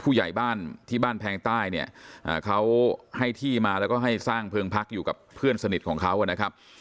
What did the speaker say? ผู้ใหญ่บ้านที่บ้านแพงใต้เนี่ยเขาให้ที่มาแล้วก็ให้สร้างเพลิงพักอยู่กับเพื่อนสนิทของเขานะครับ